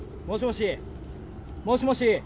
もしもし。